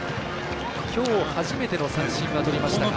きょう初めての三振はとりましたが。